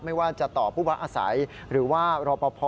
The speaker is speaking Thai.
ไม่ว่าจะต่อผู้พักอาศัยหรือว่ารอปภ